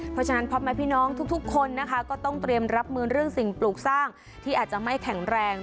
เพราะฉะนั้นพ่อแม่พี่น้องทุกคนนะคะก็ต้องเตรียมรับมือเรื่องสิ่งปลูกสร้างที่อาจจะไม่แข็งแรง